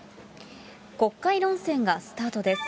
国会論戦がスタートです。